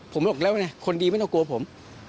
ผมบอกแล้วนะคนดีไม่ต้องกลัวผม